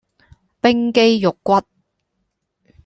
冰肌玉骨